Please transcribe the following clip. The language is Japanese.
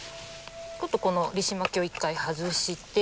ちょっとこのリシマキアを一回外して。